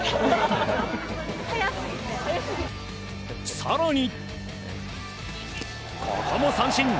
更に、ここも三振！